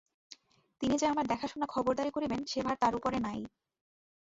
তিনি যে আমার দেখাশোনা খবরদারি করিবেন সে ভার তাঁর উপরে নাই।